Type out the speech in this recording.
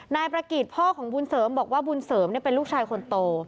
นายประกิจพ่อของบุญเสริมบอกว่าบุญเสริมเป็นลูกชายคนโต